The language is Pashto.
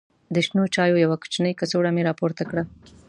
د شنو چایو یوه کوچنۍ کڅوړه مې راپورته کړه.